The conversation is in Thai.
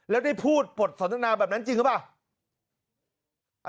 แล้วได้พูดบทสนทนาแบบนั้นจริงหรือเปล่า